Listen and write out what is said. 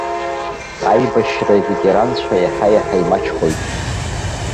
Аибашьра аветеранцәа иаҳа-иаҳа имаҷхоит.